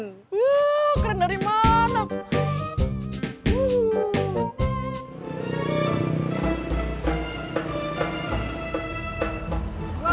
wuh keren dari mana